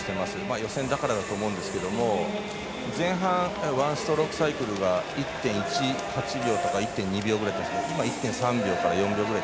予選だからだと思うんですけども前半、ワンストロークサイクルが１．１８秒とか１．２秒くらいだったんですが今は１．３秒ｋら１．４秒くらい。